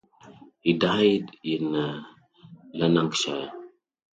He died in Lanarkshire.